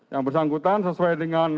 yang bersangkutan sesuai dengan